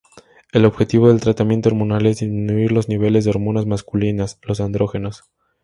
El objetivo del tratamiento hormonal es disminuir los niveles de hormonas masculinas, los andrógenos.